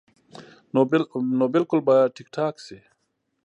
نو بالکل به ټيک ټاک شي -